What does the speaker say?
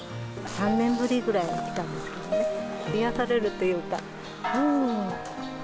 ３年ぶりぐらいに来たんですけどね、癒やされるというか、うーん。